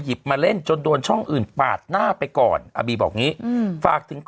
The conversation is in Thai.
หยิบมาเล่นจนโดนช่องอื่นปาดหน้าไปก่อนอบีบอกนี้ฝากถึง